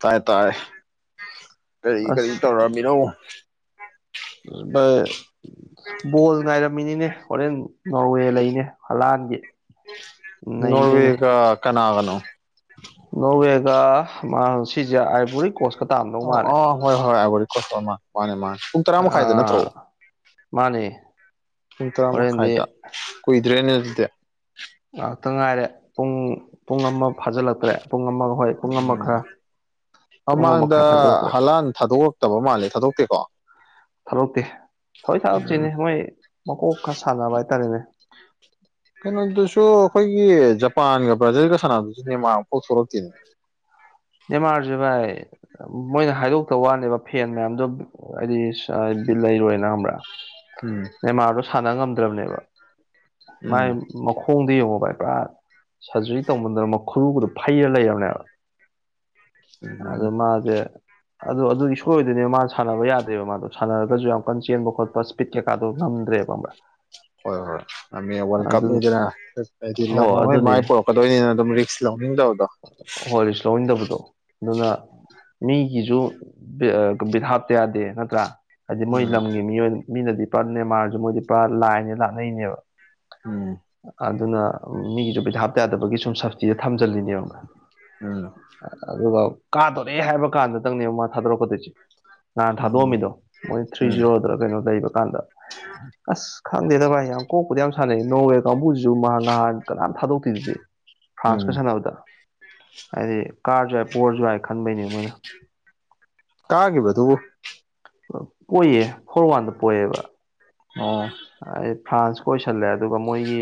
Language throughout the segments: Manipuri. ꯇꯥꯏ ꯇꯔꯦ ꯀꯔꯤ ꯀꯔꯤ ꯑꯁ ꯇꯧꯔꯝꯃꯤꯅꯣ ꯕꯣꯜ ꯉꯥꯏꯔꯝꯃꯤꯅꯤꯅꯦ ꯍꯣꯔꯦꯟ ꯅꯣꯔꯋꯦ ꯂꯩꯅꯦ ꯄ꯭ꯂꯥꯟꯒ ꯅꯣꯕꯤꯒ ꯀꯅꯥꯒꯂ ꯅꯣꯔꯋꯦꯒ ꯃꯥ ꯁꯤꯖꯤꯌꯥ ꯑꯥꯏ ꯄꯨꯔꯤ ꯀꯣꯁ ꯑꯣ ꯑꯣ ꯍꯣꯏ ꯍꯣꯏ ꯑꯒꯔꯤꯀ ꯁ ꯄꯅꯦ ꯃꯥ ꯄꯨꯡ ꯇꯔꯥ ꯃꯈꯥꯏꯗ ꯅꯠꯇ꯭ꯔꯣ ꯑꯥ ꯃꯥꯅꯦ ꯄꯨꯡ ꯇꯔꯥ ꯍꯣꯔꯦꯟꯗꯤ ꯃꯈꯥꯏꯗ ꯀꯨꯏ ꯗ꯭ꯔꯦꯅꯦꯖꯗ ꯉꯥꯏꯍꯥꯛꯇ ꯉꯥꯏꯔꯦ ꯄꯨꯡ ꯄꯨꯡ ꯑꯃ ꯐꯥꯖꯤꯜꯂꯛꯇ꯭ꯔꯦ ꯑꯍꯣꯏ ꯄꯨꯡ ꯑꯃꯥꯛ ꯎꯝ ꯈꯔꯥ ꯃꯃꯥꯡꯗ ꯍꯂꯥꯟ ꯊꯥꯗꯣꯛꯣꯔꯛꯇꯕ ꯃꯥꯜꯂꯦ ꯊꯥꯗꯣꯛꯇꯦꯀꯣ ꯊꯥꯗꯛꯇꯦ ꯊꯑꯣꯏ ꯎꯝ ꯊꯥꯗꯆꯣꯏꯅꯦ ꯃꯣꯏ ꯃꯀꯣꯛ ꯈ ꯁꯥꯟꯅꯕ ꯍꯥꯏꯇꯥꯔꯦꯅꯦ ꯀꯩꯅꯣꯗꯨꯁꯨ ꯑꯩꯈꯣꯏꯒꯤ ꯖꯄꯥꯟꯒ ꯕ꯭ꯔꯥꯖꯤꯜꯒ ꯁꯥꯟꯗꯨꯁꯨ ꯅꯦꯃꯥꯐꯥꯎ ꯊꯣꯛꯣꯔꯛꯇꯦꯅꯦ ꯅꯦꯃꯥꯔꯁꯦ ꯚꯥꯏ ꯃꯣꯏꯅ ꯍꯥꯏꯗꯣꯛꯇ ꯋꯥꯅꯦꯕ ꯐꯦꯟ ꯃꯌꯥꯝꯗꯣ ꯍꯥꯏꯗꯤ ꯂꯩꯔꯣꯏꯅ ꯈꯪꯕ꯭ꯔꯥ ꯎꯝ ꯃꯦꯟꯃꯥꯔꯗꯣ ꯁꯥꯟꯅ ꯉꯝꯗ꯭ꯔꯕꯅꯦꯕ ꯎꯝ ꯃꯥꯏ ꯃꯈꯣꯡꯗ ꯌꯦꯡꯉꯣ ꯚꯥꯏ ꯄꯨꯔꯥ ꯁꯔꯖꯔꯤ ꯇꯧꯕꯗꯅ ꯃꯈꯔꯨꯕꯗꯣ ꯐꯩꯔ ꯂꯩꯕꯅꯦꯕ ꯎꯝ ꯑꯗꯨ ꯃꯥꯗꯖꯦ ꯑꯗꯣ ꯑꯗꯨꯗꯤ ꯁꯣꯏꯗꯣꯏꯅꯦ ꯃꯥꯅ ꯁꯥꯟꯅꯕ ꯌꯥꯗꯦꯕ ꯃꯥꯗꯣ ꯁꯥꯟꯅꯔꯒꯁꯨ ꯌꯥꯝ ꯀꯟꯅ ꯆꯦꯟꯕ ꯈꯣꯠꯄ ꯏꯁꯄꯤꯠ ꯀꯩꯀꯥꯗꯣ ꯉꯝꯗꯦ ꯍꯣꯏ ꯍꯣꯏ ꯌꯥꯝ ꯋꯥꯔꯜ ꯑꯗꯨ ꯀꯞꯅꯤꯗꯅ ꯍꯥꯏꯗꯤ ꯍꯣ ꯂꯣꯏ ꯑꯗꯨꯅꯦ ꯃꯥꯏ ꯄꯣꯔꯛꯀꯗꯣꯏꯅꯤꯅ ꯑꯗꯨꯝ ꯔꯤꯛꯁ ꯂꯧꯅꯤꯡꯗꯕ ꯍꯣꯏ ꯔꯤꯁ ꯂꯧꯟꯗꯕꯗꯣ ꯑꯗꯨꯅ ꯃꯤꯒꯤꯁꯨ ꯕꯤꯠ ꯍꯥꯥꯞꯇ ꯌꯥꯗꯦ ꯅꯠꯇ꯭ꯔꯥ ꯍꯥꯏꯗꯤ ꯃꯣꯏ ꯎꯝ ꯂꯝꯒꯤ ꯃꯤꯑꯣꯏ ꯃꯤꯅꯗꯤ ꯄꯨꯔ ꯃꯦꯟꯃꯥꯔꯁꯨ ꯃꯣꯏꯗꯤ ꯄꯨꯔꯥ ꯂꯥꯏꯅꯦ ꯂꯥꯅꯩꯅꯦꯕ ꯎꯝ ꯑꯗꯨꯅ ꯃꯤꯒꯤꯁꯨ ꯄꯤꯊꯥꯞ ꯇ ꯌꯥꯗꯕꯒꯤ ꯁꯨꯝ ꯁꯞꯁꯇꯤꯗ ꯊꯝꯖꯤꯜꯂꯤꯅꯦꯕ ꯑꯅꯣ ꯀꯥꯗꯣꯔꯛꯑꯦ ꯍꯥꯏꯕ ꯀꯥꯟꯗꯪꯅꯦꯕ ꯃꯥ ꯊꯥꯗꯣꯔꯛꯀꯗꯣꯏꯁꯤꯦ ꯅꯍꯥꯟ ꯎꯝ ꯊꯥꯗꯣꯛꯑꯝꯃꯤꯗꯣ ꯃꯣꯏ ꯊ꯭ꯔꯤ ꯎꯝ ꯖꯤꯔꯣꯗ ꯀꯩꯅꯣ ꯂꯩꯕ ꯀꯥꯟꯗ ꯑꯁ ꯈꯪꯗꯦꯗ ꯚꯥꯏ ꯌꯥꯝ ꯀꯣꯛꯄꯗꯤ ꯌꯥꯝ ꯁꯥꯟꯅꯩ ꯅꯣꯡꯋꯦ ꯀꯥꯡꯕꯨꯁ ꯁꯨ ꯃꯍꯥꯛ ꯉꯥꯏꯍꯥꯛ ꯀꯅꯥꯝ ꯊꯥꯗꯣꯛꯇꯦꯗꯨꯗꯤ ꯎꯝ ꯐ꯭ꯔꯥꯟꯁꯀ ꯁꯥꯟꯅꯕꯗ ꯍꯥꯏꯗꯤ ꯀꯥꯔꯁꯨ ꯌꯥꯏ ꯄꯣꯔꯁꯨ ꯌꯥꯏ ꯈꯟꯕꯩꯅꯦ ꯃꯣꯏꯅ ꯀꯥꯒꯤꯕꯗꯨ ꯄꯣꯏꯌꯦ ꯐꯣꯔ ꯋꯥꯟꯗ ꯄꯣꯏꯑꯦꯕ ꯑꯣ ꯑꯩ ꯐ꯭ꯔꯥꯟꯁꯀ ꯑꯣꯏꯁꯜꯂꯦ ꯑꯗꯨꯒ ꯃꯣꯏꯒꯤ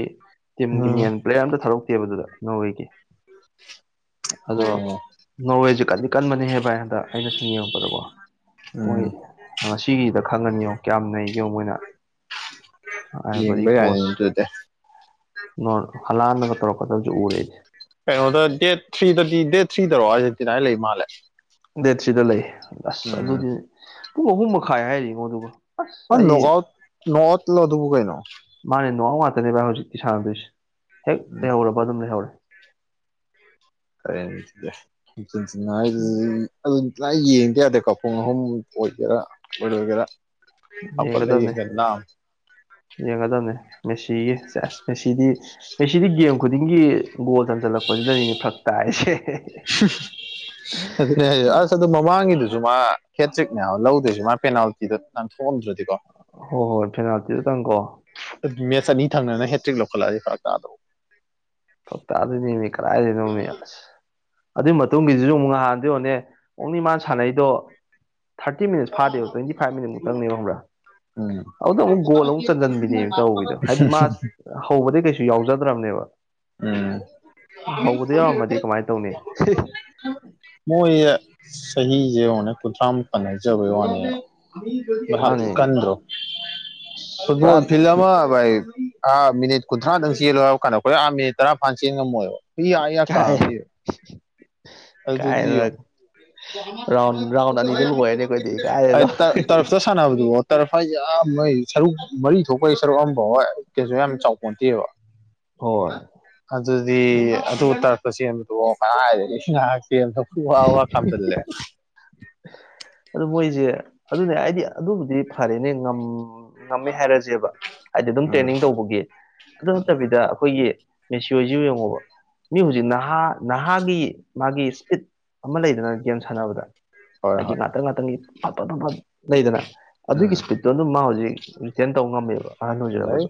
ꯇꯤꯝꯒꯤ ꯎꯝ ꯃꯦꯟ ꯄ꯭ꯂꯦꯌꯔ ꯑꯝꯇ ꯊꯛ ꯦꯕꯗꯨꯗ ꯅꯣꯋꯦꯒꯤ ꯑꯗꯣ ꯑꯣ ꯅꯣꯋꯦ ꯀꯗꯤ ꯀꯟꯕꯅꯦꯍꯦ ꯚꯥꯏ ꯍꯟꯗꯛ ꯑꯩꯅ ꯁꯨꯝ ꯌꯦꯡꯉꯛꯄꯗꯀꯣ ꯃꯣꯏ ꯎꯝ ꯉꯁꯤꯒꯤꯗ ꯈꯪꯒꯅꯤꯉꯣ ꯀꯌꯥꯝ ꯂꯩꯩꯒꯦꯣ ꯃꯣꯏꯅ ꯑꯄ ꯌꯦꯡꯕ ꯌꯥꯏꯅꯦ ꯑꯗꯨꯗꯤ ꯄꯣꯁ ꯍꯂꯥꯟꯂꯒ ꯇꯧꯔꯛꯀꯗꯕꯁꯨ ꯎꯔꯦꯁꯦ ꯀꯩꯅꯣꯗ ꯗꯦꯠ ꯊ꯭ꯔꯤꯗꯗꯤ ꯗꯦꯠ ꯊ꯭ꯔꯤꯗꯔꯣ ꯍꯥꯏꯁꯦ ꯇꯤꯗꯥꯥꯏ ꯂꯩ ꯃꯥꯜꯂꯦ ꯗꯦꯠ ꯊ꯭ꯔꯤꯗ ꯂꯩ ꯑꯁ ꯎꯝ ꯑꯗꯨꯗꯤ ꯄꯨꯡ ꯑꯍꯨꯝ ꯃꯈꯥꯏ ꯍꯥꯏꯔꯤꯉꯣ ꯑꯗꯨꯒꯒ ꯍ ꯅꯒ ꯅꯒꯠ ꯂꯗꯕꯨ ꯀꯥꯏꯅ ꯅꯨꯡ ꯉꯥꯛꯇꯅꯦ ꯚ ꯍꯧꯖꯤꯛ ꯏꯁꯥꯗ ꯍꯦꯛ ꯎꯝ ꯂꯩꯍꯧꯔꯕ ꯑꯗꯨꯝ ꯂꯩꯍꯧꯔꯦ ꯀꯦ ꯂꯥꯏ ꯌꯦꯡꯗ ꯌꯥꯗꯦ ꯀꯥꯄꯨꯡ ꯑꯍꯨꯝ ꯑꯣꯏꯒꯦꯔꯥ ꯑꯣꯏꯔꯣꯏꯒꯦꯔꯥ ꯍꯥꯄ ꯌꯦꯡꯒꯗꯕꯅꯦ ꯂꯩꯒꯅꯥ ꯁꯤꯒꯤ ꯑꯁ ꯉꯁꯤꯗꯤ ꯉꯁꯤꯗꯤ ꯒꯦꯝ ꯈꯨꯗꯤꯡꯒꯤ ꯒꯣꯜ ꯇꯝꯖꯜꯂꯛꯄꯁꯤꯗꯅꯤꯅꯦ ꯐ꯭ꯔꯛ ꯇꯥꯏꯁꯦ ꯑꯗꯨꯅꯦ ꯑꯁ ꯑꯗꯨ ꯃꯃꯥꯡꯒꯤꯗꯨꯁꯨ ꯃꯥ ꯈꯦꯇ꯭ꯔꯤꯛꯅꯦꯌꯥꯝ ꯂꯧ ꯑꯗꯨꯏꯁꯨ ꯃꯥ ꯄꯦꯅꯥꯜꯇꯤꯗꯣ ꯅꯪ ꯊꯣꯛꯑꯝꯗ꯭ꯔꯗꯤꯀꯣ ꯍꯣ ꯍꯣꯏ ꯊꯦꯡꯅꯥꯇꯁꯨ ꯀꯪ ꯀꯣ ꯃꯦꯠꯁ ꯑꯅꯤ ꯊꯪꯅꯅ ꯍꯦꯇ꯭ꯔꯤꯛ ꯂꯧꯈꯠꯂꯑꯗꯤ ꯐꯔꯛ ꯇꯥꯗꯛꯎ ꯐ ꯇꯗꯅꯤ ꯀꯥꯏꯗꯅꯣꯃꯤ ꯑꯁ ꯑꯗꯨꯏ ꯃꯇꯨꯡꯒꯤꯁꯤꯁꯨ ꯑꯃꯨꯛ ꯉꯍꯥꯟꯗꯣꯅꯦ ꯑꯣꯡꯅꯤ ꯃꯥꯅ ꯁꯥꯟꯅꯩꯗꯣ ꯊꯥꯔꯇꯤ ꯃꯤꯅꯠꯁ ꯐꯥꯗꯦꯕ ꯇ꯭ꯋꯦꯟꯇꯤ ꯐꯥꯏꯚ ꯃꯤꯠꯨꯛꯇꯪꯅꯦꯕꯪ꯭ꯔꯥ ꯎꯝ ꯑꯗꯨꯗ ꯑꯃꯨꯛ ꯒꯣꯜ ꯑꯃꯨꯛ ꯆꯟꯁꯤꯟꯕꯤꯅꯦ ꯇꯧꯋꯤꯗꯣ ꯍꯥꯏꯗꯤ ꯃꯥ ꯍꯧꯕꯗꯤꯩ ꯀꯩꯁꯨ ꯌꯥꯎꯖꯗ꯭ꯔꯕꯅꯦꯕ ꯎꯝ ꯍꯧꯕꯗ ꯌꯎꯔꯝꯃꯗꯤ ꯀꯃꯥꯏꯅ ꯇꯧꯅꯤ ꯑꯩꯈꯣꯏꯁ ꯆꯍꯤꯁꯦ ꯍꯅꯦ ꯀꯨꯟꯊ꯭ꯔꯥꯃꯨꯛ ꯀꯟꯅꯖꯕꯩ ꯋꯥꯅꯦ ꯃꯥꯅꯦ ꯀꯟ꯭ꯔꯣ ꯐꯨꯠꯕꯣꯜ ꯄꯨꯔꯥ ꯐꯤ ꯑꯃꯥꯏ ꯑꯥ ꯃꯤꯅꯤꯠꯨꯟꯊ꯭ꯔꯥꯗꯪ ꯆꯦꯜꯂꯣꯏ ꯍꯥꯏꯕ ꯀꯥꯟꯗ ꯑꯩꯈꯣꯏ ꯑꯥ ꯃꯤꯅꯤꯠ ꯇꯔꯥ ꯐꯥꯟ ꯆꯦꯟ ꯉꯝꯃꯣꯏꯕ ꯐ ꯑꯏ ꯀꯥꯏ ꯀꯥꯝ ꯌꯦ ꯑꯗꯨꯗꯤ ꯀꯥꯏꯅ ꯑꯣ [unintelligible] ꯔꯥꯎꯟ ꯔꯥꯎꯟ ꯑꯅꯤꯗ ꯂꯣꯏꯔꯅꯤ ꯑꯩꯈꯣꯏꯗꯤ ꯀꯥꯏꯗꯅꯣ ꯇꯔꯐꯇ ꯁꯅꯗꯨ ꯇꯔꯐ ꯍꯥꯏꯖꯤ ꯑꯥ ꯃꯣꯏ ꯁꯔꯨꯛ ꯃꯔꯤ ꯊꯣꯛꯄꯒꯤ ꯁꯔꯨꯛ ꯑꯃ ꯐꯥꯎꯕ ꯀꯩꯁꯨ ꯌꯥꯝ ꯆꯥꯎꯄꯣꯟꯇꯦꯕ ꯍꯣꯏ ꯑꯗꯨꯗꯤ ꯑꯗꯨ ꯇꯥꯔꯛꯄ ꯆꯕꯗꯣ ꯋꯥ ꯋꯥ ꯈꯥꯝꯖꯠꯂꯦ ꯑꯗꯨ ꯃꯣꯏꯁꯦ ꯑꯗꯨꯅꯦ ꯑꯩꯗꯤ ꯑꯗꯨꯕꯨꯗꯤ ꯐꯔꯦꯅꯦ ꯉꯝ ꯉꯝꯃꯦ ꯍꯥꯏꯔꯁꯦꯕ ꯍꯥꯏꯗꯤ ꯑꯗꯨꯝ ꯎꯝ ꯇ꯭ꯔꯦꯅꯤꯡ ꯇꯧꯕꯒꯤ ꯑꯗꯨ ꯅꯠꯇꯕꯤꯗ ꯑꯩꯈꯣꯏꯒꯤ ꯃꯦꯁꯤꯁꯤ ꯌꯦꯡꯉꯣꯕ ꯃꯤ ꯍꯧꯖꯤꯛ ꯅꯍꯥ ꯅꯍꯥꯒꯤ ꯃꯥꯒꯤ ꯏꯁꯄꯤꯠ ꯑꯃ ꯂꯩꯗꯅ ꯒꯦꯝ ꯁꯥꯟꯅꯕꯗ ꯍꯣꯏ ꯍꯥꯏꯗꯤ ꯍꯣꯏ ꯉꯥꯛꯇꯪ ꯉꯥꯛꯇꯪꯒꯤ ꯐꯠ ꯐ ꯐ ꯂꯩꯗꯅ ꯑꯗꯨꯒꯤ ꯎꯝ ꯏꯁꯄꯤꯠꯇꯣ ꯑꯗꯨꯝ ꯃꯥ ꯍꯧꯖꯤꯛ ꯔꯤꯇꯔꯟ ꯇꯧꯕ ꯉꯝꯃꯦꯕ ꯑꯍꯟ ꯑꯗꯩ ꯑꯣꯏꯖꯔꯒꯁꯨ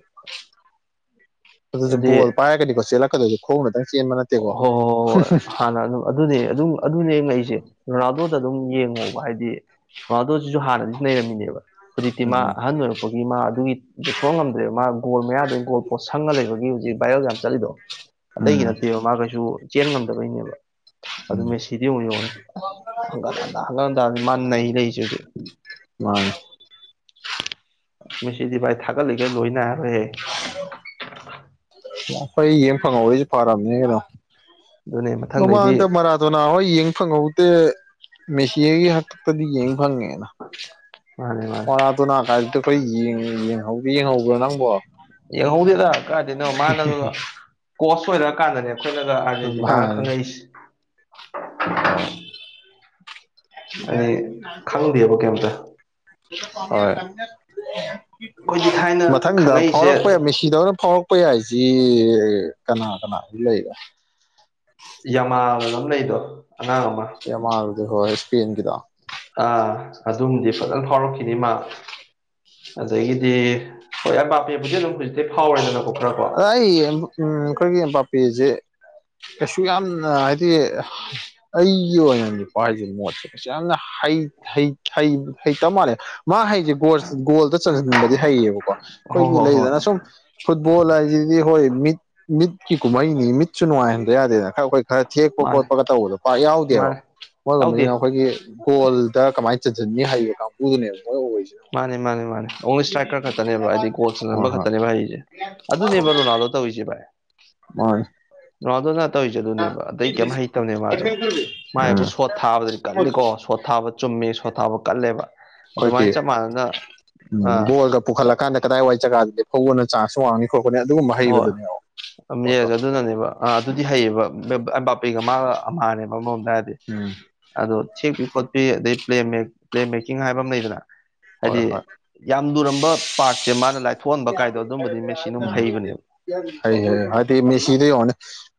ꯑꯗꯨꯁꯨ ꯎꯝ ꯑꯗꯨꯗꯤ ꯕꯣꯜ ꯄꯥꯏꯔꯒꯗꯤꯀꯣ ꯆꯦꯜꯂꯛꯀꯗꯣꯏꯁꯦ ꯈꯣꯡꯅꯗꯪ ꯆꯦꯟꯕ ꯅꯠꯇꯦꯀꯣ ꯍꯣꯏ ꯍꯣꯏ ꯍꯣꯏ ꯍꯣꯏ ꯍꯥꯟꯅ ꯑꯗꯨꯝ ꯑꯗꯨꯅꯤ ꯑꯗꯨ ꯑꯗꯨꯝ ꯑꯗꯨꯅꯦ ꯌꯦꯡꯉꯛꯏꯁꯦ ꯔꯣꯅꯥꯜꯗꯣꯗ ꯑꯗꯨꯝ ꯌꯦꯡꯉꯣꯕ ꯍꯥꯏꯗꯤ ꯑꯗꯨꯣ ꯁꯤꯁꯨ ꯍꯥꯟꯅꯗꯤ ꯂꯩꯔꯝꯃꯤꯅꯦꯕ ꯍꯧꯖꯤꯛꯇꯤ ꯃꯥ ꯎꯝ ꯑꯍꯟ ꯑꯣꯏꯔꯛꯄꯒꯤ ꯃꯥ ꯑꯗꯨꯒꯤ ꯑꯗꯨ ꯁꯣꯛ ꯉꯝꯗ꯭ꯔꯦ ꯃꯥ ꯒꯣꯜ ꯃꯌꯥꯗ ꯒꯣꯜ ꯄꯣꯠ ꯁꯪꯉ ꯂꯩꯕꯒꯤ ꯍꯧꯖꯤꯛ ꯕꯥꯏꯔꯜ ꯌꯥꯝ ꯆꯠꯂꯤꯗꯣ ꯑꯇꯩꯒꯤ ꯎꯝ ꯅꯠꯇꯦꯕ ꯃꯥ ꯀꯩꯁꯨ ꯆꯦꯟ ꯉꯝꯗꯕꯩꯅꯦꯕ ꯑꯗꯨ ꯃꯦꯁꯤꯗꯤ ꯑꯃꯨꯛ ꯌꯡꯉꯦ ꯍ ꯀꯅꯥ ꯅꯍꯜ ꯇꯔꯗꯤ ꯃꯥ ꯅꯩ ꯂꯩꯔꯤꯁꯦ ꯍꯧꯖꯤꯛ ꯃꯥ ꯃꯦꯁꯤꯗꯤ ꯚꯥꯏ ꯊꯥꯒꯠꯂꯤꯒꯦ ꯂꯣꯏꯅꯔꯣꯏꯍꯦ ꯍꯣꯏ ꯌꯦꯡ ꯐꯪꯍꯕꯩꯁꯦ ꯐꯥꯔꯝꯅꯤ ꯀꯩꯅꯣ ꯑꯗꯨꯅꯦ ꯃꯊꯪꯗꯩꯗꯤ ꯃꯃꯥꯡꯗ ꯃꯔꯥꯊꯣꯅꯥ ꯍꯣꯏ ꯌꯦꯡ ꯐꯪꯍꯧꯗꯦ ꯃꯦꯁꯤꯒꯤ ꯍꯥꯛꯇꯛꯇꯗꯤ ꯌꯦꯡ ꯐꯪꯉꯦ ꯑ ꯃꯔꯥꯗꯣꯅ ꯀꯥꯏꯗꯨꯗꯤ ꯈꯣꯏ ꯌꯦꯡ ꯌꯦꯡꯍꯧꯗꯦ ꯌꯦꯡꯍꯧꯕ꯭ꯔꯣ ꯅꯪꯕꯣ ꯌꯦꯡꯍꯧꯗꯦꯗ ꯀꯥꯢꯗꯩꯩꯅꯣ ꯃꯥꯅꯒ ꯀꯣꯁ ꯑꯣꯏꯔꯛꯀꯥꯟꯗꯅꯦ ꯑꯩꯈꯣꯏꯅꯒ ꯑꯥꯔꯖꯦꯟꯇꯤꯅꯥꯒ ꯈꯪꯉꯛꯏꯁꯦ ꯑꯥ ꯃꯤꯔꯦ ꯍꯥꯏꯗꯤ ꯅꯅꯥꯕꯣ ꯈꯪꯗꯦꯕ ꯀꯩꯝꯇ ꯑꯩꯈꯣꯏꯗꯤ ꯊꯥꯏꯅ [unintelligible] ꯃꯊꯪꯗ ꯈꯪꯉꯛꯏꯁꯦ ꯐꯥꯎꯔꯛꯄ ꯃꯦꯁꯤꯗꯧꯅ ꯐꯥꯎꯔꯛꯄ ꯐꯥꯎꯔꯛꯄ ꯌꯥꯏꯁꯤ ꯀꯅꯥ ꯀꯅꯥ ꯂꯩꯔꯦ ꯌꯥꯃꯥꯜ ꯑꯅ ꯑꯃ ꯂꯩꯗꯣ ꯑꯉꯥꯡ ꯑꯃ ꯌꯃꯥꯜ ꯗꯨꯔꯣ ꯏꯁꯄꯦꯟꯒꯤꯗꯣ ꯑꯥ ꯑꯗꯨꯝꯗꯤ ꯐꯖꯅ ꯐꯥꯎꯔꯛꯈꯤꯅꯤ ꯃꯥ ꯑꯗꯒꯤꯗꯤ ꯍꯣꯏ ꯑꯞꯄꯥꯄꯦꯕꯨꯗꯤ ꯑꯗꯨꯝ ꯐꯥꯎꯔꯦꯗꯅꯀꯣ ꯈꯔ ꯀꯣ ꯑꯥꯏ ꯎꯝ ꯈꯨꯣꯏꯒꯤ ꯃꯝꯕꯥꯞꯄꯤ ꯀꯩꯁꯨ ꯌꯥꯝꯅ ꯍꯥꯏꯗꯤ ꯑꯩꯒꯤ ꯑꯣꯏꯅꯗꯤꯀꯣ ꯍꯥꯏꯁꯦ ꯃꯣꯠꯁꯦ ꯀꯩꯁꯨ ꯌꯥꯝꯅ ꯍꯩ ꯍꯩ ꯍꯩ ꯍꯩꯇ ꯃꯥꯜꯂꯦ ꯃꯥ ꯍꯩꯁꯦ ꯒꯣꯜ ꯒꯣꯜꯗ ꯆꯟꯖꯟꯕꯗꯤ ꯍꯩꯌꯦꯕꯀꯣ ꯍꯣ ꯑꯩꯈꯣꯏꯒꯤ ꯍꯣ ꯍꯣꯏ ꯂꯩꯗꯅ ꯁꯨꯝ ꯐꯨꯠꯕꯣꯜ ꯍꯥꯏꯁꯤꯗꯤ ꯍꯣꯏ ꯃꯤꯠ ꯃꯤꯠꯀꯤ ꯀꯨꯝꯍꯩꯅꯤ ꯃꯤꯠꯁꯨ ꯅꯨꯡꯉꯥꯏꯍꯟꯗ ꯌꯥꯗꯦꯗꯅ ꯈꯔ ꯑꯩꯈꯣꯏ ꯈꯔ ꯊꯦꯛꯄ ꯃꯥꯅꯦ ꯈꯣꯠꯄꯒ ꯇꯧꯕꯗꯣ ꯄꯥꯛ ꯌꯥꯎꯗꯦꯕ ꯃꯥꯅꯦ ꯌꯥꯎꯗꯦ ꯃꯣꯏꯒꯨꯝꯕꯖꯤꯅ ꯑꯩꯈꯣꯏꯒꯤ ꯒꯣꯜꯗ ꯀꯃꯥꯏꯅ ꯇꯧ ꯆꯟꯖꯟꯅꯤ ꯍꯩꯕ ꯀꯥꯡꯕꯨꯗꯨꯅꯦꯕ ꯃꯣꯏ ꯑꯣꯏꯔꯤꯁꯤꯅ ꯃꯥꯅꯦ ꯃꯥꯅꯦ ꯃꯥꯅꯦ ꯑꯣꯡꯂꯤ ꯏꯁꯇ꯭ꯔꯥꯛꯀꯔ ꯈꯛꯇꯅꯦꯕ ꯍꯥꯏꯗꯤ ꯒꯣꯜ ꯆꯟꯖꯅꯟ ꯍꯣꯏ ꯍꯣꯏ ꯈꯛꯇꯅꯦꯕ ꯍꯩꯔꯤꯁꯦ ꯑꯗꯨꯅꯦꯕ ꯔꯣꯅꯥꯜꯗꯣ ꯇꯧꯔꯤꯁꯦ ꯚꯥꯏ ꯃꯥꯅꯤ ꯔꯣꯅꯥꯜꯗꯣꯅ ꯇꯧꯏꯁꯦ ꯑꯗꯨꯅꯦꯕ ꯑꯇꯩ ꯀꯩꯝ ꯍꯩꯇꯕꯅꯦ ꯃꯥꯁꯨ ꯃꯥꯏꯕꯨ ꯎꯝ ꯁꯣꯠ ꯊꯥꯕꯗꯗꯤ ꯀꯠꯂꯤꯀꯣ ꯁꯣꯠ ꯊꯥꯕ ꯆꯨꯝꯃꯤ ꯁꯣꯠ ꯊꯥꯕ ꯀꯜꯂꯦꯕ ꯑꯗꯨꯃꯥꯏꯅ ꯑꯩꯈꯣꯏꯒꯤ ꯆꯞ ꯃꯥꯟꯅꯅ ꯎ ꯕꯣꯜꯒ ꯑꯥ ꯄꯨꯈꯠꯂꯀꯥꯟꯗ ꯀꯗꯥꯏ ꯋꯥꯏ ꯖꯒꯥꯗꯤ ꯍꯧꯕꯅ ꯆꯥꯟꯁꯨ ꯋꯥꯡꯉꯤ ꯍꯣꯏ ꯄꯣꯠꯇꯣ ꯑꯗꯨꯅꯅꯦꯕ ꯑꯥ ꯑꯗꯨꯗꯤ ꯍꯩꯌꯦꯕ ꯕꯥꯄꯦꯒ ꯃꯥꯒ ꯑꯝꯍꯥꯅꯦꯕ ꯑꯃꯔꯣꯝꯗ ꯍꯥꯏꯔꯗꯤ ꯎꯝ ꯑꯗꯣ ꯊꯦꯛꯄꯤ ꯈꯣꯠꯄꯤ ꯑꯗꯩꯩ ꯄ꯭ꯂꯦ ꯃꯦꯛ ꯄ꯭ꯂꯦ ꯃꯦꯀꯤꯡ ꯍꯥꯏꯕ ꯑꯃ ꯂꯩꯗꯅ ꯍꯥꯏꯗꯤ ꯍꯣꯏ ꯍꯣꯏ ꯌꯥꯝ ꯂꯨꯔꯝꯕ ꯄꯥꯔꯠꯁꯦ ꯃꯥꯅ ꯂꯥꯏꯊꯣꯛꯍꯟꯕ ꯀꯥꯏꯗꯣ ꯑꯗꯨꯝꯕꯗꯤ ꯃꯦꯁꯤꯅ ꯑꯃꯨꯛ ꯍꯩꯕꯅꯦꯕ ꯍꯥꯏ ꯑꯗꯤ ꯃꯤꯁꯤꯗꯣ ꯌꯦꯡꯉꯣꯅꯦ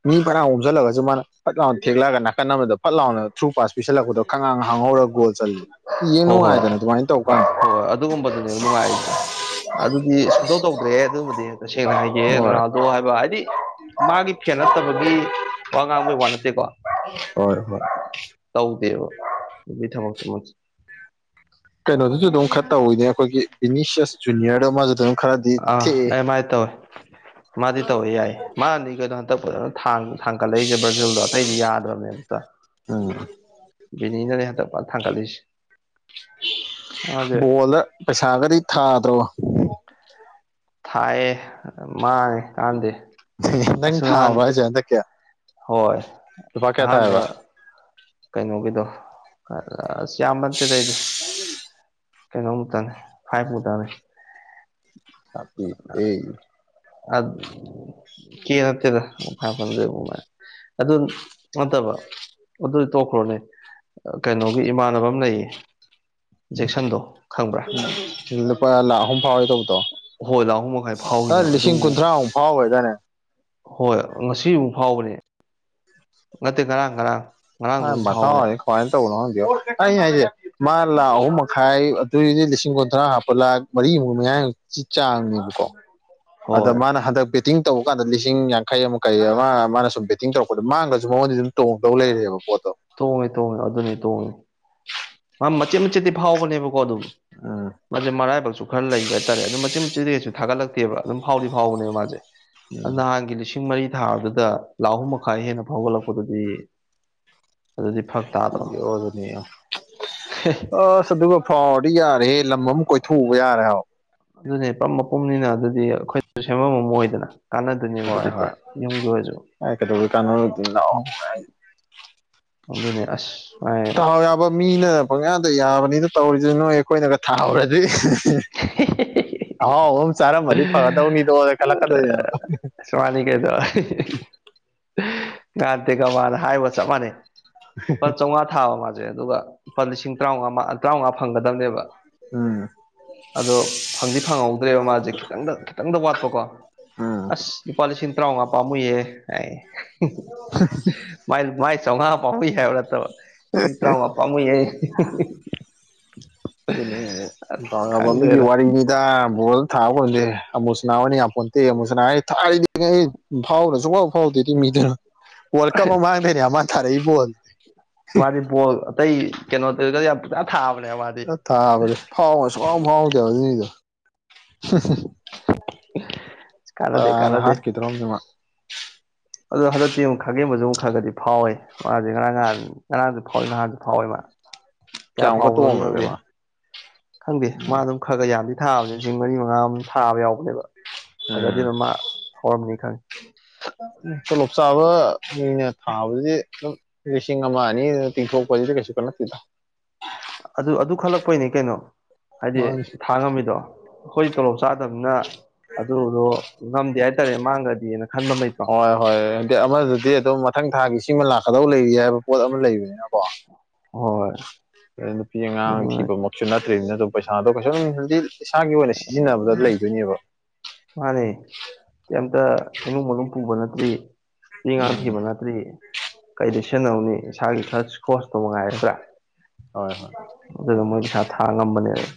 ꯃꯤ ꯐꯥꯅꯌꯥꯝ ꯑꯣꯝꯁꯤꯜꯂꯒꯁꯨ ꯃꯥꯅ ꯐꯠ ꯂꯥꯎꯅ ꯊꯦꯛꯂꯛꯑꯒ ꯅꯥꯀꯟ ꯑꯃꯗ ꯐꯠ ꯂꯥꯎꯅ ꯊ꯭ꯔꯨ ꯄꯥꯁ ꯄꯤꯁꯤꯜꯂꯛꯄꯗꯣ ꯈꯪꯉꯥꯡ ꯍꯥꯡꯍꯧꯔꯒ ꯒꯣꯜ ꯆꯜꯂꯤ ꯌꯦꯡ ꯅꯨꯡꯉꯥꯏꯗꯅ ꯑꯗꯨꯃꯥꯏꯅ ꯇꯧ ꯀꯥꯟꯗ ꯍ ꯍꯣꯏ ꯑꯗꯨꯒꯨꯝꯕꯗꯨꯅꯦ ꯅꯨꯡꯉꯥꯏꯁꯦ ꯑꯗꯨꯗꯤ ꯁꯨꯡꯇꯧ ꯇꯧꯗ꯭ꯔꯦ ꯑꯗꯨꯃꯗꯤ ꯇꯁꯦꯡꯅ ꯍꯥꯏꯒꯦ ꯍꯣꯏ ꯔꯣꯅꯥꯜꯗꯣ ꯍꯥꯏꯕ ꯍꯥꯏꯗꯤ ꯃꯥꯒꯤ ꯐꯦꯟ ꯅꯠꯇꯕꯒꯤ ꯋꯥ ꯉꯥꯡꯕꯩ ꯋꯥ ꯅꯠꯇꯦꯀꯣ ꯍꯣꯏ ꯍꯣꯏ ꯇꯧꯗꯦꯕ ꯃꯤꯊ ꯃꯣꯛꯛꯇ ꯃ [unintelligible] ꯀꯩꯅꯣꯗꯨꯁꯨ ꯑꯗꯨꯝ ꯈꯔ ꯇꯧꯋꯤꯅꯦ ꯑꯩꯈꯣꯏꯒꯤ ꯕꯤꯅꯤꯁꯤꯁ ꯖꯨꯅꯤꯌꯔꯗ ꯃꯥꯁꯨ ꯑꯗꯨꯝ ꯈꯔꯗꯤ ꯑꯥ ꯊꯦꯛꯑꯦ ꯑꯦ ꯃꯥꯏ ꯇꯧꯋꯦ ꯃꯥꯗꯤ ꯇꯧꯋꯦ ꯌꯥꯏ ꯃꯥꯟꯅꯤ ꯀꯩꯅꯣ ꯍꯟꯇꯛꯗ ꯊꯥꯡ ꯊꯥꯡꯒꯠꯂꯛꯏꯁꯦ ꯕ꯭ꯔꯥꯖꯤꯜꯗꯣ ꯑꯇꯩꯗꯤ ꯌꯥꯗ꯭ꯔꯕꯅꯦ ꯑꯨꯛꯇ ꯎꯝ ꯕꯤꯅꯤꯅꯅꯦ ꯍꯟꯗꯛ ꯊꯥꯡꯒꯠꯂꯤꯁꯤꯦ ꯕꯣꯜꯗ ꯄꯩꯁꯥꯒꯗꯤ ꯊꯥ ꯊꯥꯏꯌꯦ ꯃꯥꯡꯉꯦ ꯀꯥꯟꯗꯦ ꯅꯪ ꯑꯥꯁ ꯅꯍꯥꯟ ꯊꯥꯕ꯭ꯔꯥ ꯍꯥꯏꯁꯦ ꯍꯟꯗꯛꯀꯤ ꯍꯣꯏ ꯂꯨꯄꯥ ꯀꯌꯥ ꯑꯍꯥꯟꯕ ꯊꯥꯌꯦꯕ ꯀꯩꯅꯣꯒꯤꯗꯣ ꯑꯁ ꯌꯥꯝꯕ ꯅꯠꯇꯦꯗ ꯑꯩꯗꯤ ꯀꯩꯅꯣ ꯃꯨꯛꯇꯅꯦ ꯐꯥꯞ ꯃꯨꯛꯇꯪ ꯅꯦ ꯍꯥꯄꯤ ꯑꯦ ꯑ ꯀ ꯍꯥꯠꯇꯦꯗ ꯐ ꯐꯗꯃꯥꯏ [unintelligible] ꯑꯗꯨ ꯅꯠꯇꯕ ꯑꯗꯨ ꯇꯣꯛꯈ꯭ꯔꯣꯅꯦ ꯀꯩꯅꯣꯒꯤ ꯏꯃꯥꯟꯅꯕ ꯑꯃ ꯂꯩꯌꯦ ꯖꯦꯛꯁꯟꯗꯣ ꯈꯪꯕ꯭ꯔꯥ ꯄꯥ ꯂꯥꯛ ꯑꯍꯨꯝ ꯐꯥꯎꯋꯦ ꯇꯧꯕ ꯍꯣꯏꯂꯥ ꯑꯍꯨꯝ ꯃꯈꯥꯏ ꯐꯥꯎꯋꯤꯅꯦꯕ ꯂꯤꯁꯤꯡ ꯑꯗꯨꯕꯨ ꯀꯨꯟꯊ꯭ꯔꯥꯃꯨꯛ ꯐꯥꯎꯕꯗꯅꯦ ꯍꯣꯏ ꯉꯁꯤꯐꯨ ꯐꯥꯎꯕꯅꯦ ꯅꯠꯇꯦ ꯉꯔꯥꯡ ꯉꯔꯥꯡ ꯑ ꯉꯔꯥꯡꯁꯨ ꯑꯃꯨꯛ ꯃꯊꯋꯥ ꯐꯥꯎꯕꯅꯦꯕ ꯍꯅ ꯇꯧꯅ ꯑꯩ ꯍꯥꯏꯁꯦ ꯃꯥ ꯂꯥꯈ ꯑꯍꯨꯝ ꯃꯈꯥꯏ ꯑꯗꯨꯏꯗꯤ ꯂꯤꯁꯤꯡ ꯀꯨꯟꯊ꯭ꯔꯥ ꯍꯥꯞꯄ ꯂꯥꯈ ꯃꯔꯤꯃꯨꯛ ꯃꯌꯥ ꯆꯥꯡꯅꯦꯕꯀꯣ ꯑꯗ ꯍꯣꯏ ꯃꯥꯅ ꯍꯟꯗꯛꯤ ꯕꯦꯠꯇꯤꯡ ꯇꯧꯕ ꯀꯥꯟꯗ ꯂꯤꯁꯤꯡ ꯌꯥꯡꯈꯩ ꯑꯃ ꯀꯩ ꯑꯃ ꯃꯥꯅ ꯁꯨꯝ ꯕꯦꯇꯤꯡ ꯇꯧꯔꯛꯄꯗ ꯃꯥꯡꯉꯁꯨ ꯃꯉꯣꯟꯗꯤ ꯑꯗꯨꯝ ꯇꯣꯡꯗꯧ ꯂꯩꯔꯦꯕ ꯄꯣꯠꯇꯣ ꯇꯣꯡꯉꯤ ꯇꯣꯡꯉꯤ ꯑꯗꯨꯅꯤ ꯇꯣꯡꯉꯤ ꯃꯥ ꯃꯆꯦꯠ ꯃꯆꯦꯠꯇꯤ ꯐꯥꯎꯕꯅꯦꯕꯀꯣ ꯑꯗꯨꯝ ꯎꯝ ꯃꯥꯦ ꯃꯔ ꯍꯥꯏꯕ ꯆ ꯈꯔ ꯂꯩꯕ ꯍꯥꯏꯇꯥꯔꯦ ꯑꯗꯨꯝ ꯃꯆꯤ ꯃꯆꯦꯗ ꯀꯩꯁꯨ ꯊꯥꯒꯠꯂꯛꯇꯦꯕ ꯑꯗꯨꯝ ꯐꯥꯎꯗꯤ ꯐꯥꯎꯕꯅꯦꯕ ꯃꯥꯁꯦ ꯅꯍꯥꯟꯒꯤ ꯂꯤꯁꯤꯡ ꯃꯔꯤ ꯊꯥ ꯑꯗꯨꯗ ꯂꯥꯛꯍꯨꯝ ꯃꯈꯥꯏ ꯍꯦꯟꯅ ꯐꯥꯎꯒꯠꯂꯛꯄ ꯑꯗꯨꯗꯤ ꯑꯗꯨꯗꯤ ꯐꯔꯛ ꯇꯥꯗ꯭ꯔꯣ ꯎꯝ ꯑꯗꯨꯅꯤ ꯑꯁ ꯑꯗꯨꯒ ꯐꯥꯎꯔꯗꯤ ꯌꯥꯔꯦꯍꯦ ꯂꯝ ꯑꯃ ꯀꯣꯏꯊꯣꯛꯎꯕ ꯌꯥꯔꯦ ꯍꯥꯏꯥꯎ ꯑꯗꯨꯅꯦ ꯄꯝ ꯃꯄꯨꯝꯅꯤꯅ ꯑꯗꯨꯗꯤ ꯑꯩꯈꯣꯏꯁꯨ ꯁꯦꯝꯃꯝꯃꯝ ꯑꯣꯏꯗꯅ ꯀꯥꯟꯅꯗꯣꯏꯅꯦꯕ ꯍꯣꯏ ꯑꯗꯨꯗꯤ ꯄꯨꯔꯥ ꯍꯣꯏ ꯌꯨꯝꯒꯤ ꯑꯣꯏꯔꯁꯨ ꯑꯩ ꯀꯩꯗꯧꯕꯩ ꯀꯥꯟꯅꯔꯨꯗꯣꯏꯅꯣ ꯑꯣꯅꯦ ꯇꯥꯎ ꯌꯥꯕ ꯃꯤꯅ ꯄꯪꯌꯥꯗ ꯌꯥꯕꯅꯤꯗ ꯇꯧꯔꯤꯁꯤ ꯅꯣꯏ ꯑꯩꯈꯣꯏꯅꯒ ꯊꯥꯍꯨꯔꯗꯤ ꯑꯍꯥꯎ ꯑꯍꯨꯝ ꯆꯥꯔꯃꯗꯤ ꯐꯒꯗꯧꯅꯤꯗꯣ ꯀꯂ ꯀꯗꯣꯏ ꯌꯥ ꯁ꯭ꯋꯥꯅꯤ ꯀꯩꯗ ꯥꯟ ꯇ ꯀꯃꯅ ꯍꯥꯏꯕ ꯆꯞ ꯃꯥꯟꯅꯩ ꯂꯨꯄꯥ ꯆꯥꯝꯃꯉꯥ ꯊꯥꯕ ꯃꯥꯁꯦ ꯑꯗꯨꯒ ꯂꯨꯄꯥ ꯂꯤꯁꯤꯡ ꯇꯔꯥꯃꯉꯥ ꯇꯔꯥꯃꯉꯥ ꯐꯪꯒꯗꯕꯅꯦꯕ ꯑ ꯑꯗꯣ ꯐꯪꯗꯤ ꯐꯪꯍꯧꯗ꯭ꯔꯦꯕ ꯃꯥꯁꯦ ꯈꯤꯇꯪꯗ ꯈꯤꯇꯪꯗ ꯋꯥꯠꯄꯀꯣ ꯎꯝ ꯑꯁ ꯂꯨꯄꯥ ꯂꯤꯁꯤꯡ ꯇꯔꯥꯃꯉꯥ ꯄꯥꯝꯃꯨꯏꯍꯦ ꯍꯥꯏ ꯃꯥꯏ ꯆꯥꯝꯃꯉꯥ ꯄꯥꯝꯃꯨꯏ ꯁꯤꯟ ꯇꯄꯥꯃ ꯌꯥꯏ ꯑꯗꯨꯅꯦꯃꯤꯒꯤ ꯈꯪꯗ꯭ꯔꯦꯗ ꯋꯥꯔꯤꯅꯤꯗ ꯕꯣꯜꯗ ꯊꯥꯕ ꯈꯁꯦ ꯑꯃꯨꯁꯅꯥ ꯑꯣꯏꯅ ꯌꯥꯝꯄꯣꯟꯇꯦ ꯑꯃꯨꯁꯅꯥ ꯑꯩ ꯊꯥꯔꯤꯗꯤ ꯑꯩ ꯐꯥꯎꯔ ꯁꯨꯡꯐꯥꯎ ꯐꯥꯎꯗꯦꯗꯤ ꯃꯤꯗꯅ ꯕꯣꯜ ꯃꯥꯗꯤꯣ ꯑꯇꯩ ꯀꯩꯅꯣ ꯑꯗꯨ ꯀ ꯊꯥꯕꯅꯤ ꯑ ꯊꯥꯕꯁꯦ ꯐꯥꯎꯕ ꯁꯨꯡꯥꯎ ꯐꯥꯎꯗꯦꯕ ꯑꯗꯨꯅꯤꯗ ꯀꯥꯟꯅꯗꯦ ꯇꯥꯅ ꯀꯥꯟꯅꯗꯦ ꯍꯥꯠꯈꯤꯗ꯭ꯔꯣꯝꯗꯨꯃ ꯑꯗꯣ ꯍꯟꯗꯛꯇꯤ ꯑꯃꯨꯛ ꯈꯥꯒꯦꯝꯕꯁꯨ ꯑꯃꯨꯛ ꯈꯔꯒꯗꯤ ꯐꯥꯎꯋꯦ ꯃꯥꯁꯦ ꯉꯔꯥꯡ ꯅꯍꯥꯟ ꯉꯔꯥꯡꯁꯨ ꯐꯥꯎꯏ ꯅꯍꯥꯟꯁꯨ ꯐꯥꯎꯋꯦ ꯃꯥ ꯀꯌꯥ ꯀꯌꯥꯃꯨꯛꯀ ꯐꯥꯎꯕꯅꯣꯗꯤ ꯇꯣꯡꯈ꯭ꯔꯒꯦ ꯈꯪꯗꯦ ꯃꯥ ꯈꯪꯗꯦ ꯃꯥ ꯑꯗꯨꯝ ꯈꯔ ꯈꯔ ꯌꯥꯝꯗꯤ ꯊꯥꯕꯅꯦ ꯂꯤꯁꯤꯡ ꯃꯔꯤ ꯃꯉꯥ ꯑꯃ ꯊꯥꯕ ꯌꯥꯎꯕꯅꯦꯕ ꯍꯥꯏ ꯎꯝ ꯑꯗꯨꯅ ꯃꯥ ꯍꯔꯝꯅꯤ ꯈꯪꯉꯦ ꯇꯣꯂꯣꯞ ꯆꯥꯕ ꯃꯤꯅ ꯊꯥꯕꯁ ꯑꯗꯨꯝ ꯂꯤꯁꯤꯡ ꯑꯃꯃꯅꯤ ꯇꯁꯨꯣꯄꯥꯗꯤ ꯀꯩꯁꯨꯛꯅꯥ ꯇꯗ ꯑꯗꯨ ꯑꯗꯨ ꯈꯜꯂꯛꯄꯩꯅꯤ ꯀꯩꯅꯣ ꯍꯥꯏꯗꯤ ꯃꯥꯅꯤ ꯊꯥ ꯉꯝꯃꯤꯗꯣ ꯑꯩꯈꯣꯏ ꯇꯣꯂꯣꯞ ꯆꯥꯗꯕꯅ ꯑꯗꯨꯗꯣ ꯉꯝꯗꯦ ꯍꯥꯏꯇꯥꯔꯦ ꯃꯥꯡꯒ꯭ꯔꯗꯤꯅ ꯈꯟꯕ ꯑꯃ ꯂꯩꯇ꯭ꯔꯣ ꯍꯣꯏ ꯍꯣꯏ ꯍꯥꯏꯗꯤ ꯑꯃꯗꯗꯤ ꯑꯗꯨꯝ ꯃꯊꯪ ꯊꯥꯒꯤ ꯁꯤꯃ ꯂꯥꯛꯄ ꯀꯗꯧ ꯂꯩꯔꯤ ꯍꯥꯏꯕ ꯄꯣꯠ ꯑꯃ ꯂꯩꯕꯅꯤꯅꯀꯣ ꯍꯣꯏ ꯑ ꯅꯨꯄꯤ ꯑꯉꯥꯡ ꯊꯤꯕꯃꯛꯁꯨ ꯅꯠꯇ꯭ꯔꯤꯕꯅꯤꯅ ꯑꯗꯨ ꯄꯩꯁꯥꯗꯣ ꯀꯩꯁꯨꯝꯗꯤ ꯏꯁꯥꯒꯤ ꯑꯣꯏꯅ ꯁꯤꯖꯤꯟꯅꯕꯗ ꯂꯩꯗꯣꯏꯅꯦꯕ ꯎ ꯃꯥꯅꯦ ꯏꯃꯨꯡ ꯃꯅꯨꯡ ꯄꯨꯕ ꯅꯠꯇ꯭ꯔꯤ ꯃꯤ ꯉꯥꯡ ꯎꯝ ꯊꯤꯕ ꯅꯠꯇ꯭ꯔꯤ ꯀꯩꯗ ꯏꯁꯟꯅꯧꯅꯤ ꯏꯁꯥꯒꯤ ꯈꯔ ꯈꯣꯁꯇꯣ ꯃꯉꯥꯏꯒꯗ꯭ꯔꯥ ꯍꯣꯏ ꯍꯣꯏ ꯑꯗꯨꯗ ꯃꯣꯏ ꯄꯩꯁꯥ ꯊꯥ ꯉꯝꯕꯅꯦꯕ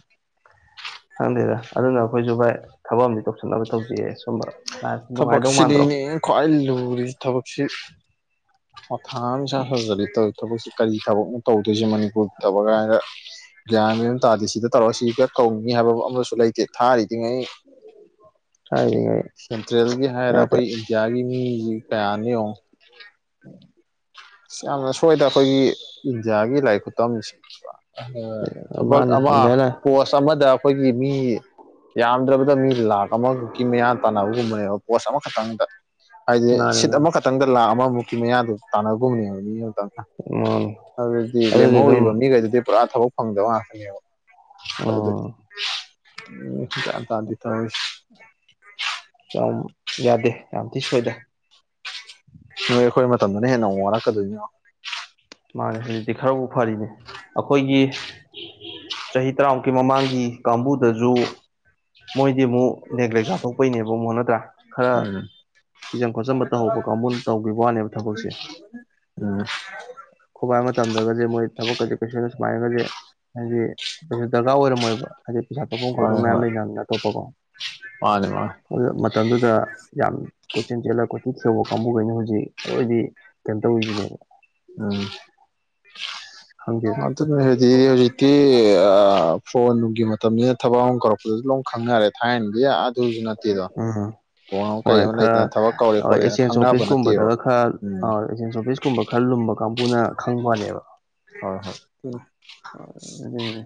ꯈꯪꯗꯦꯗ ꯑꯗꯨꯅ ꯑꯩꯈꯣꯏꯁꯨ ꯚꯥꯏ ꯊꯕꯛ ꯑꯝ ꯇꯧꯁꯤꯟꯅꯕ ꯇꯧꯖꯩꯑ ꯊꯕꯛꯁꯤꯔꯤꯅꯤ ꯈ꯭ꯋꯥꯏ ꯂꯨꯔꯤꯁꯤ ꯊꯕꯛꯁꯤ ꯊꯥ ꯑꯃ ꯁꯥ ꯁꯥꯖꯔꯤ ꯇꯧ ꯊꯕꯛꯁꯤ ꯀꯔꯤ ꯊꯕꯛꯅꯣ ꯇꯧꯗꯣꯏꯁꯦ ꯃꯅꯤꯄꯨꯔ ꯊꯕꯛ ꯀꯥꯏꯗ ꯒ꯭ꯌꯥꯟ ꯃꯌ ꯑꯃ ꯇꯥꯗꯦ ꯁꯤꯗ ꯇꯧꯔ ꯁꯤꯒ ꯀꯧꯅꯤꯤ ꯍꯥꯏꯕ ꯑꯃꯁꯨ ꯂꯩꯇꯦ ꯊꯥꯔꯤꯗꯤꯉꯩ ꯍꯥꯏꯔꯤꯉꯩ ꯁꯦꯟꯇ꯭ꯔꯦꯜꯒꯤ ꯍꯥꯏꯔ ꯌꯥꯗꯦ ꯑꯩꯈꯣꯏ ꯏꯟꯗꯤꯌꯥꯒꯤ ꯃꯤꯁꯤ ꯀꯌꯥꯅꯤꯌꯉꯣ ꯌꯥꯝꯅ ꯁꯣꯏꯗꯅ ꯑꯩꯈꯣꯏꯒꯤ ꯏꯟꯗꯤꯌꯥꯒꯤ ꯂꯥꯏ ꯈꯨꯇꯝꯁꯤ ꯊꯕꯛ ꯃꯥꯅꯤ ꯑꯃ ꯍꯤꯡꯒ ꯂꯥꯏ ꯄꯣꯁ ꯑꯃꯗ ꯑꯩꯈꯣꯏꯒꯤ ꯃꯤ ꯌꯥꯝꯗ꯭ꯔꯕꯗ ꯃꯤ ꯂꯥꯛꯈ ꯑꯃꯈꯛꯀꯤ ꯃꯌꯥꯟ ꯇꯥꯟꯅꯕꯒꯨꯝꯕꯅꯦꯕ ꯄꯣꯁ ꯑꯃꯈꯛꯇꯪꯗ ꯍꯥꯏꯗꯤ ꯃꯥꯅꯤ ꯁꯤꯠ ꯃꯥꯅꯤ ꯑꯃꯈꯛꯇꯪꯗ ꯂꯥꯛ ꯑꯃꯃꯨꯛꯀꯤ ꯃꯌꯥꯗ ꯇꯥꯟꯅꯕꯒꯨꯝꯕꯅꯦꯕ ꯎꯝ ꯑꯗꯨꯗꯤ ꯂꯦꯝꯍꯧꯔꯤꯕ ꯃꯤꯈꯩꯗꯨꯗꯤ ꯄꯨꯔꯥ ꯊꯕꯛ ꯐꯪꯗꯕ ꯉꯥꯛꯇꯅꯦꯕ ꯑ ꯎ ꯇꯗꯤ ꯇ ꯌꯥꯗꯦ ꯌꯥꯝ ꯊꯤ ꯁꯣꯏꯗ ꯅꯣꯏ ꯑꯩꯈꯣꯏ ꯃꯇꯝꯗꯅ ꯍꯦꯟꯅ ꯑꯃꯨꯛ ꯋꯥꯔꯛꯀꯗꯣꯏꯅ ꯃꯥꯅꯦ ꯍꯧꯖꯤꯛꯇꯤ ꯈꯔꯕꯨꯥꯎ ꯐꯔꯤꯅꯦ ꯑꯩꯈꯣꯏꯒꯤ ꯆꯍꯤ ꯇꯔꯥꯃꯨꯛꯀꯤ ꯃꯃꯥꯡꯒꯤ ꯀꯥꯡꯕꯨꯗꯁꯨ ꯃꯣꯏꯗꯤ ꯑꯃꯨꯛ ꯅꯦꯒ꯭ꯂꯦꯛ ꯆꯥꯊꯣꯛꯄꯩꯅꯦꯕ ꯑꯃꯨꯛ ꯅꯠꯇ꯭ꯔꯥ ꯈꯔ ꯎꯝ ꯁꯤꯖꯝ ꯈꯣꯠꯆꯟꯕ ꯇꯧꯍꯧꯕ ꯀꯥꯡꯕꯨꯟ ꯇꯧꯒꯤ ꯋꯥꯅꯦꯕ ꯊꯕꯛꯁꯦ ꯎꯝ ꯈꯨꯕꯥꯏ ꯑꯃ ꯃꯇꯝꯝꯗꯒꯁꯦ ꯃꯣꯏ ꯊꯕꯛꯀꯁꯦ ꯀꯩꯁꯅ ꯁꯨꯃꯥꯏꯅꯒꯁꯦ ꯍꯥꯏꯗꯤ ꯄꯩꯁꯥ ꯗꯔꯀꯥꯔ ꯑꯣꯏꯔꯝꯃꯣꯏꯕ ꯍꯥꯏꯗꯤ ꯄꯩꯁꯥ ꯊꯣꯛꯧꯐꯝ ꯈꯣꯠꯄ ꯍꯣꯏ ꯃꯌꯥꯝ ꯍꯣꯏ ꯂꯩꯅꯅ ꯑꯇꯣꯞꯄꯀꯣ ꯃꯥꯅꯤ ꯃꯥꯅꯤ ꯑꯗꯨ ꯃꯇꯝꯗꯨꯗ ꯌꯥꯝ ꯀꯣꯠꯆꯤꯟ ꯆꯦꯜꯂꯒ ꯀꯣꯆꯤ ꯁꯧꯕ ꯀꯥꯡꯕꯨꯈꯩꯅꯣ ꯍꯧꯖꯤꯛ ꯑꯩꯑꯣꯣꯏꯗꯤ ꯀꯩꯅꯣ ꯇꯧꯔꯤꯒꯤꯅꯦꯅ ꯎꯝ ꯈꯪꯗꯦꯗ ꯃ ꯍꯥꯏꯗꯤ ꯍꯧꯖꯤꯛꯇꯤ ꯐꯣꯟꯅꯨꯡꯒꯤ ꯃꯇꯝꯅꯤꯅ ꯊꯕꯛ ꯑꯃ ꯀꯧꯔꯛꯄꯗꯁꯨ ꯂꯝ ꯈꯪꯅꯔꯦ ꯊꯥꯏꯅꯗꯤ ꯇꯖꯅ ꯇꯔ ꯎꯝ ꯍꯣꯏ ꯈꯔ ꯍ ꯈꯣꯠꯂꯦꯅ ꯑꯦꯛꯆꯦꯟꯁ ꯈꯪꯅꯕ ꯅꯠꯇꯦꯕ ꯑꯣꯐꯤꯁꯀꯨꯝꯕꯗꯒ ꯈꯔ ꯎꯝ ꯑꯦꯛꯆꯦꯟꯁ ꯑꯣꯐꯤꯁꯀꯨꯝꯕ ꯈꯔ ꯂꯨꯝꯕ ꯀꯥꯡꯕꯨꯅ ꯈꯪꯕ ꯋꯥꯅꯦꯕ ꯍꯣꯏ ꯍꯣꯏ ꯑꯗꯨꯅꯤ